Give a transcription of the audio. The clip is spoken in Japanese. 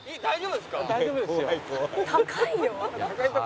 大丈夫ですか？